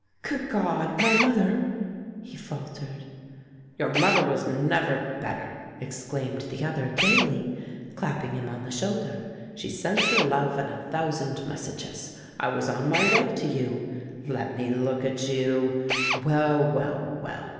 "Good God! My mother —?" he faltered. "Your mother was never better," exclaimed the other gaily, clapping him on the shoulder; "she sends her love, and a thousand messages! I was on my way to you. Let me look at you. Well, well, well!